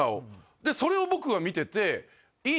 でそれを僕は見てて。